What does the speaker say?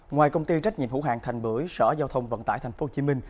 ngoài công ty trách nhiệm hữu hàng thành bưởi sở giao thông vận tải tp hcm